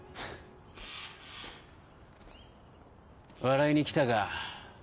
笑いに来たか？